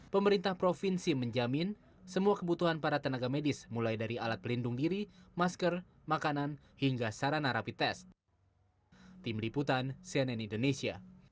pemerintah provinsi menjamin semua kebutuhan para tenaga medis mulai dari alat pelindung diri masker makanan hingga sarana rapi tes